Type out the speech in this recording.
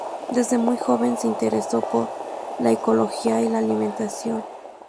Desde muy joven se interesó por la ecología y la alimentación.